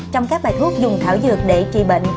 trong các bài thuốc dùng thảo dược để trì bệnh